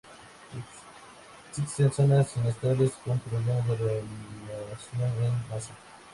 Existen zonas inestables con problemas de remoción en masa.